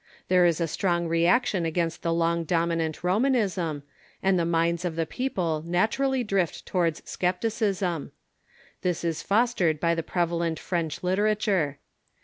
There is a strong reaction against the long dominant Romanism, and the minds of the people naturally drift towards scepticism. This is fostered by the prevalent French litera ture.